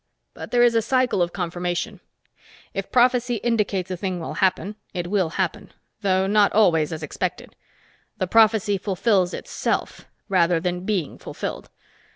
But there is a cycle of confirmation; if prophecy indicates a thing will happen, it will happen though not always as expected. The prophecy fulfills itself, rather than being fulfilled.